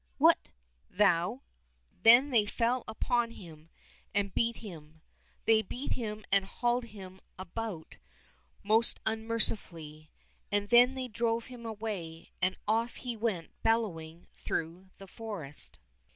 —" What ! thou !" Then they fell upon him and beat him. They beat him and hauled him about most unmercifully, and then they drove him away, and off he went bellowing through the forest.